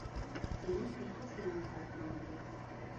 زما پرې هسې نوم بدنام دی.